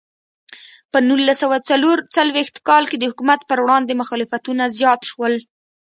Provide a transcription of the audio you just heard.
په نولس سوه څلور څلوېښت کال کې د حکومت پر وړاندې مخالفتونه زیات شول.